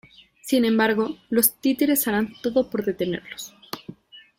Sin embargo, los títeres harán todo por detenerlos.